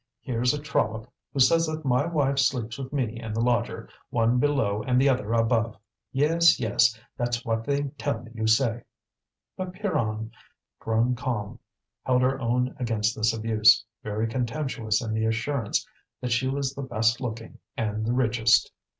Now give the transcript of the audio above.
"Here's a trollop who says that my wife sleeps with me and the lodger, one below and the other above! Yes! yes! that's what they tell me you say." But Pierronne, grown calm, held her own against this abuse, very contemptuous in the assurance that she was the best looking and the richest.